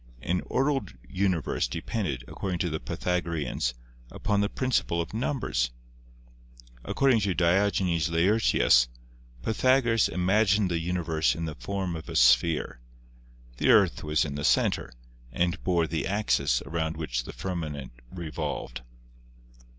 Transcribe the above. An ordered universe depended, according to the Pythagoreans, upon the principle of numbers. Ac cording to Diogenes Laertius, Pythagoras imagined the universe in the form of a sphere. The earth was in the center and bore the axis around which the firmament re volved."